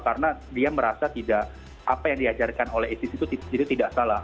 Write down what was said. karena dia merasa tidak apa yang diajarkan oleh istri itu tidak salah